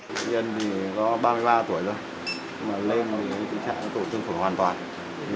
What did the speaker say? bệnh nhân thì có ba mươi ba tuổi rồi mà lên thì tình trạng tổ tương phổ hoàn toàn